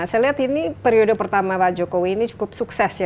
saya lihat ini periode pertama pak jokowi ini cukup sukses ya